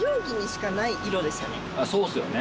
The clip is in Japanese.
そうっすよね。